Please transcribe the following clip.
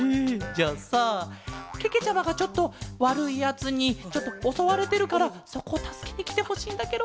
じゃあさけけちゃまがちょっとわるいやつにちょっとおそわれてるからそこをたすけにきてほしいんだケロ。